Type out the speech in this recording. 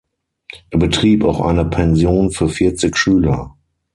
Er betrieb auch eine Pension für vierzig Schüler.